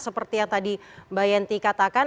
seperti yang tadi mbak yenti katakan